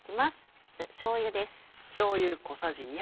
まずしょうゆです。